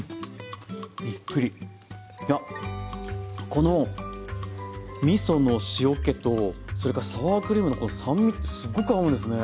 このみその塩けとそれからサワークリームのこの酸味ってすっごく合うんですね。